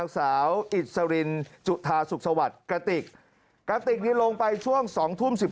สาวอิสรินจุธาสุขสวัสดิ์กระติกกระติกนี้ลงไปช่วง๒ทุ่ม๑๓